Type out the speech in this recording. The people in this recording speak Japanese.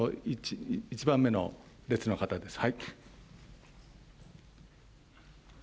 １番目の列の方です。